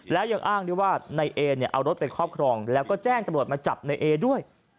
แล้วยังอ้างด้วยว่านายเอเนี่ยเอารถไปครอบครองแล้วก็แจ้งตำรวจมาจับในเอด้วย